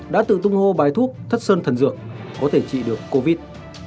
đã tự tung hô bài thuốc thất sơn thần dược có thể trị được covid